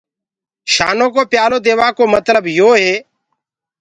شآنو ڪو پيآلو ديوآ ڪو متلب تو هي تو،